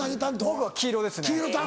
僕は黄色ですね。